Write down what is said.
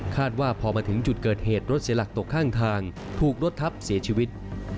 ว่าพอมาถึงจุดเกิดเหตุรถเสียหลักตกข้างทางถูกรถทับเสียชีวิต